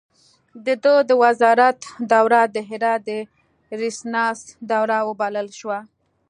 د ده د وزارت دوره د هرات د ریسانس دوره وبلل شوه.